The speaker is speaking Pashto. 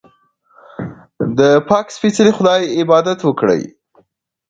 د پاک سپېڅلي خدای عبادت وکړئ.